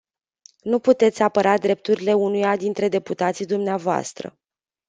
Nu puteți apăra drepturile unuia dintre deputații dvs.